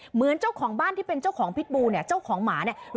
เหมือนเจ้าของบ้านที่เป็นเจ้าของพิษบูเนี่ยเจ้าของหมาเนี่ย